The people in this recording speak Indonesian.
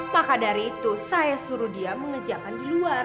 maka dari itu saya suruh dia mengerjakan di luar